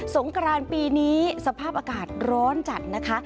งกรานปีนี้สภาพอากาศร้อนจัดนะคะ